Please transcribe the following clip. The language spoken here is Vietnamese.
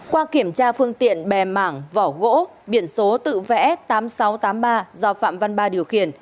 qua kiểm tra phương tiện bè mảng vỏ gỗ biển số tự vẽ tám nghìn sáu trăm tám mươi ba do phạm văn ba điều khiển